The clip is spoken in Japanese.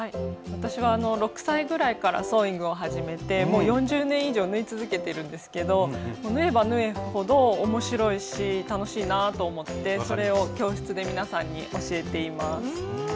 私は６歳ぐらいからソーイングを始めてもう４０年以上縫い続けてるんですけど縫えば縫うほど面白いし楽しいなぁと思ってそれを教室で皆さんに教えています。